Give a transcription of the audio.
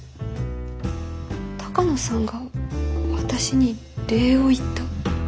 鷹野さんが私に礼を言った。